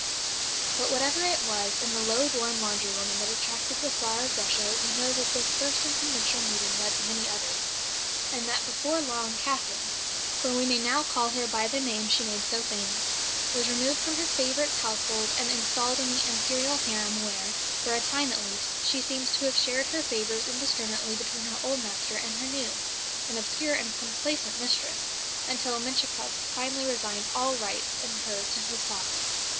But whatever it was in the low born laundry woman that attracted the Tsar of Russia, we know that this first unconventional meeting led to many others, and that before long Catherine (for we may now call her by the name she made so famous) was removed from his favourite's household and installed in the Imperial harem where, for a time at least, she seems to have shared her favours indiscriminately between her old master and her new "an obscure and complaisant mistress" until Menshikoff finally resigned all rights in her to his sovereign.